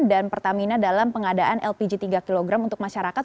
dan pertamina dalam pengadaan lpg tiga kg untuk masyarakat